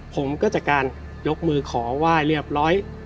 ผมก็จากการยกมือขอไหว้เรียบร้อย